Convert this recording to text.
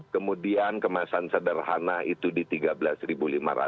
kemudian kemasan sederhana itu di rp tiga belas